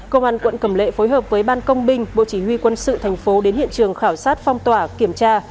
công an quận cầm lệ phối hợp với ban công binh bộ chỉ huy quân sự thành phố đến hiện trường khảo sát phong tỏa kiểm tra